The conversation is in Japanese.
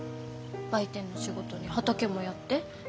売店の仕事に畑もやって内職も。